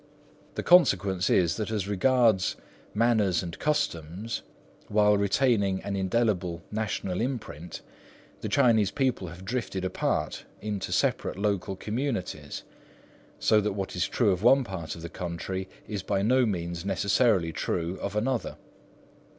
The consequence is that as regards manners and customs, while retaining an indelible national imprint, the Chinese people have drifted apart into separate local communities; so that what is true of one part of the country is by no means necessarily true of another.